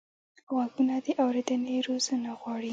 غوږونه د اورېدنې روزنه غواړي